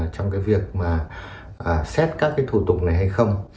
trong cái việc mà xét các cái thủ tục này hay không